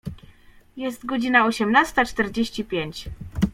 Jest godzina osiemnasta czterdzieści pięć.